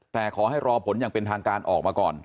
แต่ขอให้รอผลอย่างเป็นทางการออกมาก่อน